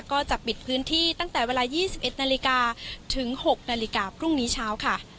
ก็จะปิดพื้นที่ตั้งแต่เวลา๒๑นาฬิกาถึง๖นาฬิกาพรุ่งนี้เช้าค่ะ